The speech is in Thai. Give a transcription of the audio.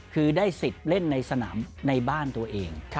คือได้สิทธิ์เล่นในสนามในบ้านตัวเอง